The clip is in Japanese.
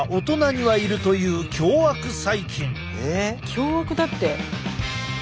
凶悪だって。